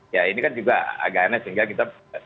ya ini kan juga agak enak sehingga kita berharapannya